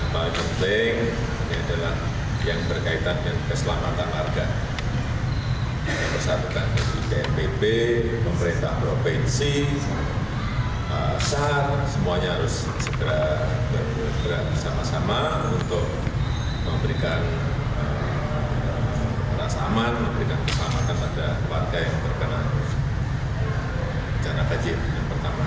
pertama urusan banjir yang paling penting adalah yang berkaitan dengan keselamatan warga